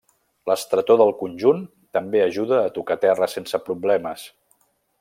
L'estretor del conjunt també ajuda a tocar terra sense problemes.